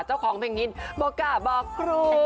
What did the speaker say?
เจ้าของเพลงนี้บอกกะบอกครู